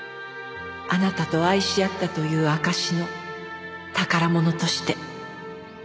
「あなたと愛し合ったという証しの宝物として」